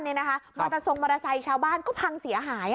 มอเตอร์ไซค์ชาวบ้านก็พังเสียหาย